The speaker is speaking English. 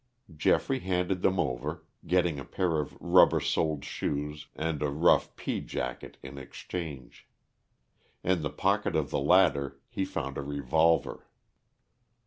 Geoffrey handed them over, getting a pair of rubber soled shoes and a rough pea jacket in exchange. In the pocket of the latter he found a revolver.